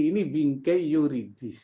ini bingkai yuridis